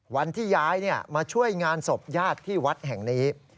วันที่ย้ายมาช่วยงานศพญาติที่วัดแห่งนี้